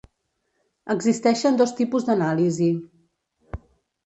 Existeixen dos tipus d'anàlisi.